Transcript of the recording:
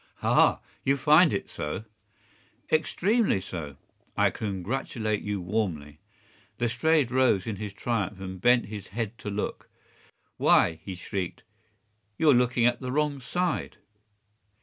“Ha! you find it so?” “Extremely so. I congratulate you warmly.” Lestrade rose in his triumph and bent his head to look. “Why,” he shrieked, “you’re looking at the wrong side!